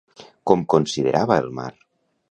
Com considerava el mar?